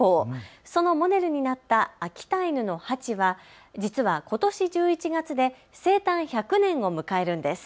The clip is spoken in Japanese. そのモデルになった秋田犬のハチは実はことし１１月で生誕１００年を迎えるんです。